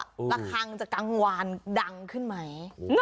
ระคังจะกังวานดังขึ้นไหม